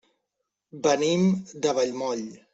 Venim de Vallmoll.